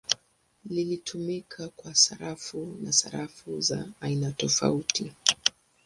Ilitumika kwa sarafu na sarafu za aina tofauti.